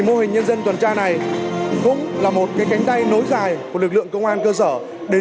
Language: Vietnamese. mô hình nhân dân tuần tra này cũng là một cái cánh tay nối dài của lực lượng công an cơ sở đến